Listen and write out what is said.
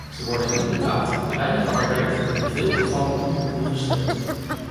Ze worden niet betaald, te weinig gewaardeerd en in veel gevallen onvoldoende gesteund.